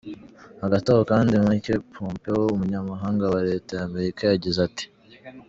Hagati aho kandi, Mike Pompeo, umunyamabanga wa leta y'Amerika, yagize ati:.